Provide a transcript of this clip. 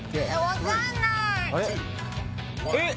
分かんない！えっ！